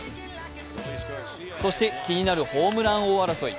そして気になるホームラン王争い。